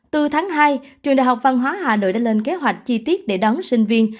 từ tháng hai trường đại học văn hóa hà nội đã lên kế hoạch chi tiết để đón sinh viên